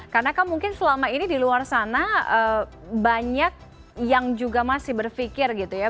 karena kan mungkin selama ini di luar sana banyak yang juga masih berfikir gitu ya